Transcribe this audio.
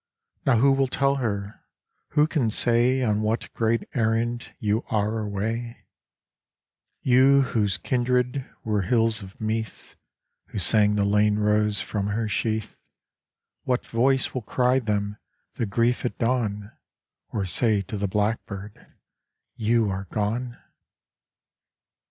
Now who will tell her, Who can say On what great errand You are away? 100 Elegy for the Irish Poet Francis Ledwidge You whose kindred Were hills of Meath, Who sang the lane rose From her sheath, What voice will cry them The grief at dawn Or say to the blackbird You are gone?